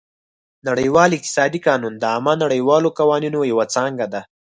نړیوال اقتصادي قانون د عامه نړیوالو قوانینو یوه څانګه ده